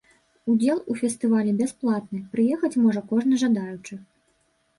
Удзел у фестывалі бясплатны, прыехаць можа кожны жадаючы.